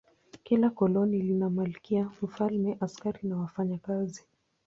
Kila koloni lina malkia, mfalme, askari na wafanyakazi.